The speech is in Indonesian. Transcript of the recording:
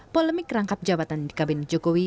polemik rangkap jabatan di kabinet jokowi